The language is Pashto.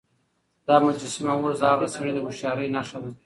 دا مجسمه اوس د هغه سړي د هوښيارۍ نښه ده.